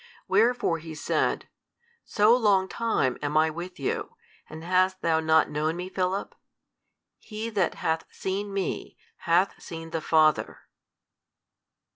Wherefore He said, So long time am I with you, and hast thou not known Me Philip? he that hath seen Me hath seen the Father.